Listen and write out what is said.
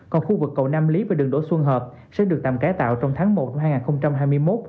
còn khu vực cầu nam lý và đường đỗ xuân hợp sẽ được tạm cải tạo trong tháng một năm hai nghìn hai mươi một